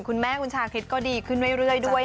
คุณแม่คุณชาคริสก็ดีขึ้นเรื่อยด้วย